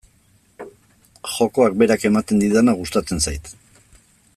Jokoak berak ematen didana gustatzen zait.